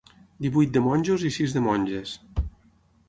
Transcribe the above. Divuit de monjos i sis de monges.